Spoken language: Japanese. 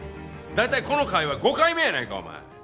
大体この会話５回目やないかお前！